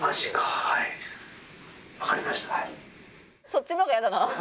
そっちの方がやだな。